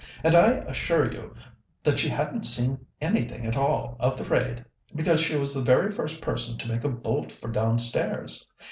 And I assure you that she hadn't seen anything at all of the raid, because she was the very first person to make a bolt for downstairs.